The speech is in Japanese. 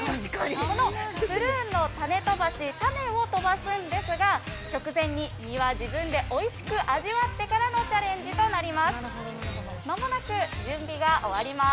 このプルーンの種飛ばし、種を飛ばすんですが、直前に実は自分でおいしく味わってからのチャレンジとなります。